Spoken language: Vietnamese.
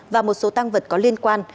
và một số tăng vật có liên quan